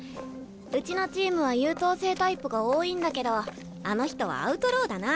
うちのチームは優等生タイプが多いんだけどあの人はアウトローだな。